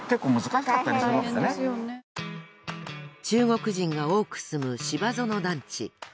中国人が多く住む芝園団地。